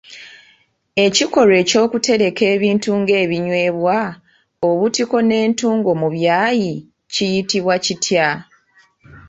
Ekikolwa ekyokutereka ebintu nga ebinyeebwa, obutiko n'entungo mu byayi kiyitibwa kitya?